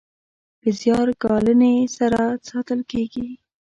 په زیار ګالنې سره ساتل کیږي.